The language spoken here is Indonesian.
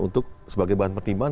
untuk sebagai bahan pertimbangan